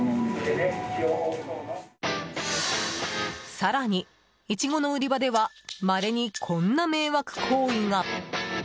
更に、イチゴの売り場ではまれにこんな迷惑行為が。